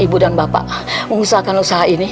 ibu dan bapak mengusahakan usaha ini